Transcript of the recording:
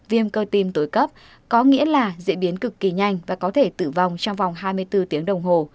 viêm cơ tim tối cấp có nghĩa là diễn biến cực kỳ nhanh và có thể tử vong trong vòng hai mươi bốn tiếng đồng hồ